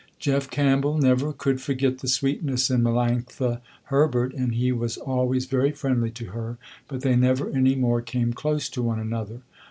Jeff Campbell never could forget the sweetness in Melanctha Herbert, and he was always very friendly to her, but they never any more came close to one another.